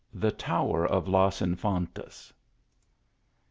THE TOWER OF LAS INFANTAS.